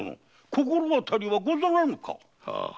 心当たりはござらぬか？